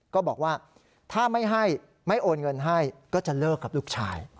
ก็บอกว่าถ้าไม่ให้ไม่โอนเงินให้ก็จะเลิกกับลูกชาย